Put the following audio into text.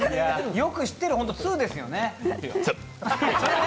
よく知ってる、ほんとに通ですよね。